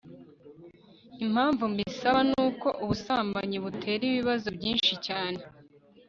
impamvu mbisaba, nuko ubusambanyi butera ibibazo byinshi cyane